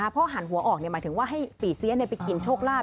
เพราะหันหัวออกเนี่ยหมายถึงว่าให้ปีเซียนเนี่ยไปกินโชคราบ